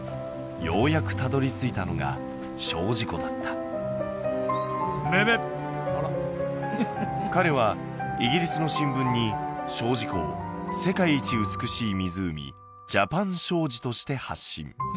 ようやくたどり着いたのが精進湖だった彼はイギリスの新聞に精進湖を世界一美しい湖ジャパンショージとして発信